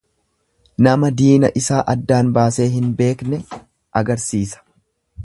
Nama diina isaa addaan baasee hin beekne agarsiisa.